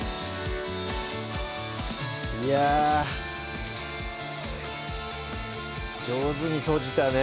いや上手にとじたね